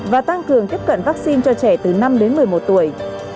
và tăng cường tiếp cận vaccine cho trẻ từ năm đến một mươi một tuổi